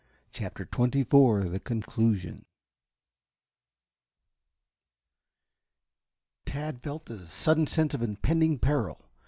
CHAPTER XXIV CONCLUSION Tad felt a sudden sense of impending peril.